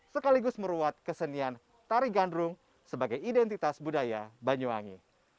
sekaligus meruat kesenian tari gandrung sebagai identitas budaya banyuwangi